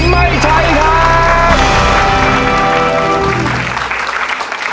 ไม่ใช้ค่ะ